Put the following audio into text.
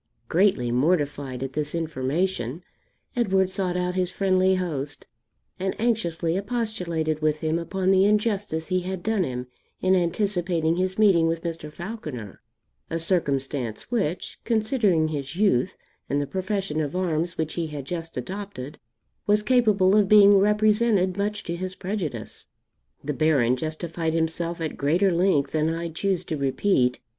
Greatly mortified at this information, Edward sought out his friendly host, and anxiously expostulated with him upon the injustice he had done him in anticipating his meeting with Mr. Falconer, a circumstance which, considering his youth and the profession of arms which he had just adopted, was capable of being represented much to his prejudice. The Baron justified himself at greater length than I choose to repeat.